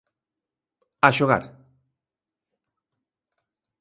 A xogar.